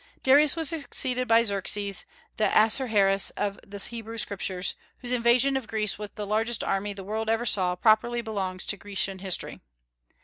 Darius was succeeded by Xerxes, the Ahasuerus of the Hebrew Scriptures, whose invasion of Greece with the largest army the world ever saw properly belongs to Grecian history.